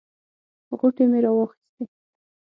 غوټې مې راواخیستې.